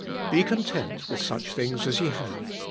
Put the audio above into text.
Be content with such things as ye have.